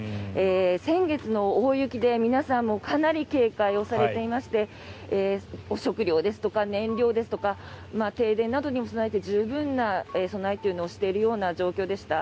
先月の大雪で皆さんもかなり警戒をされていましてお食料ですとか燃料ですとか停電などにも備えて十分な備えをしている状況でした。